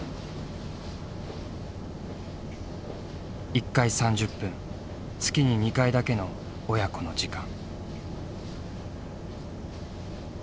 １回３０分月に２回だけの親子の時間。